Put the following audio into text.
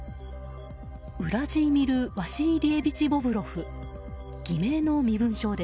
ウラジーミル・ワシーリエビチ・ボブロフ。